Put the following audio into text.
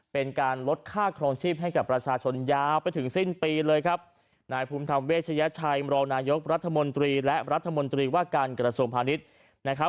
เป็นการลดค่าครองชีพให้กับประชาชนยาวไปถึงสิ้นปีเลยครับนายภูมิธรรมเวชยชัยมรองนายกรัฐมนตรีและรัฐมนตรีว่าการกระทรวงพาณิชย์นะครับ